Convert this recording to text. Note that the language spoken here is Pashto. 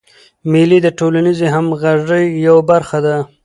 مېلې د ټولنیزي همږغۍ یوه برخه ده.